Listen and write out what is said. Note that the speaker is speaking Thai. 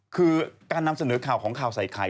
คือการนำเสนอข่าวของข่าวใส่ไข่